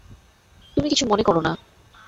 তুমি কিছু মনে করো না।